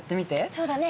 そうだね。